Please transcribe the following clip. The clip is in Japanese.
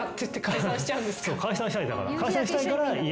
そう解散したいだから。